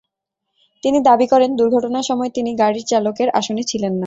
তিনি দাবি করেন, দুর্ঘটনার সময় তিনি গাড়ির চালকের আসনে ছিলেন না।